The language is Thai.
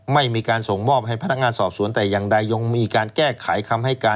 ไม่มีการส่งมอบให้พนักงานสอบสวนแต่อย่างใดยังมีการแก้ไขคำให้การ